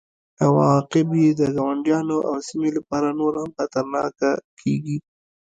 او عواقب یې د ګاونډیانو او سیمې لپاره نور هم خطرناکه کیږي